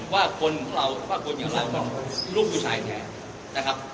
ว่าคนอย่างราชมันรูปผู้ชายแท้